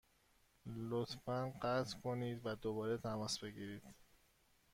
لطفا قطع کنید و دوباره تماس بگیرید.